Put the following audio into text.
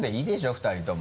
２人とも。